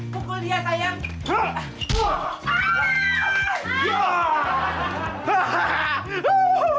pukul dia sayang